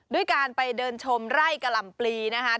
ด้วยการไปเดินชมไร่กะหล่ำปลีนะคะ